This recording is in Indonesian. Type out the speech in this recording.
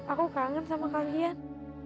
aku kangen sama kalian